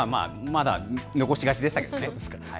残しがちでしたけどね。